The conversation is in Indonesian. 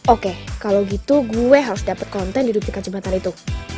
oke kalau gitu gue harus dapat konten di duplika jembatan itu